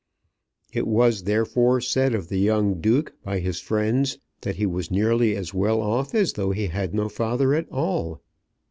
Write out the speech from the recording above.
It was therefore said of the young Duke by his friends that he was nearly as well off as though he had no father at all.